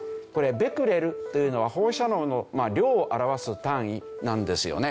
ベクレルというのは放射能の量を表す単位なんですよね。